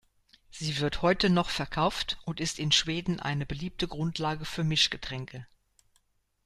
Sie wird heute noch verkauft und ist in Schweden eine beliebte Grundlage für Mischgetränke.